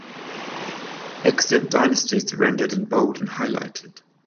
Extant dynasties are rendered in bold and highlighted.